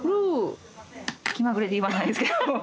・気まぐれで言わないですけど。